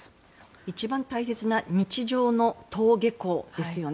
一番大切な日常の登下校ですよね。